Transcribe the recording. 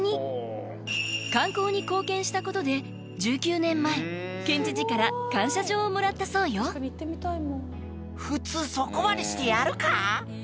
観光に貢献したことで１９年前県知事から感謝状をもらったそうよかっこいい！